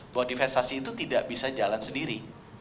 bahwa divestasi itu tidak bisa jalan sendiri